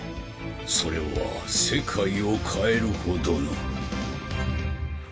それは世界を変えるほどの